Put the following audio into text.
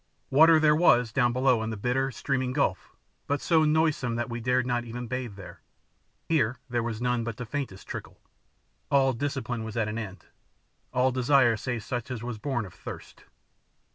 Water there was down below in the bitter, streaming gulf, but so noisome that we dared not even bathe there; here there was none but the faintest trickle. All discipline was at an end; all desire save such as was born of thirst.